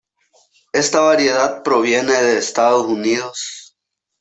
Esta variedad proviene de Estados Unidos.